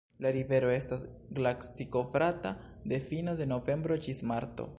La rivero estas glacikovrata de fino de novembro ĝis marto.